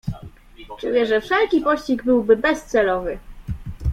"Czuję, że wszelki pościg byłby bezcelowy."